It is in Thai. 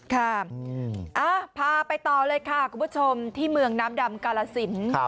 ค่ะพาไปต่อเลยค่ะคุณผู้ชมที่เมืองน้ำดำกาลสิน